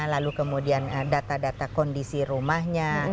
lalu kemudian data data kondisi rumahnya